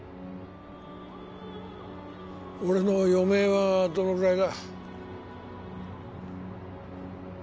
俺の余命はどのぐらいだ？